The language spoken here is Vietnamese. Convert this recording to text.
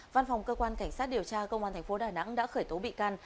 văn phòng cơ quan cảnh sát điều tra công an tp đà nẵng đã khởi tố bị can